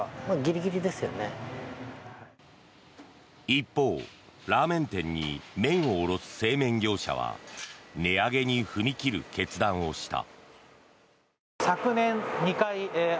一方、ラーメン店に麺を卸す製麺業者は値上げに踏み切る決断をした。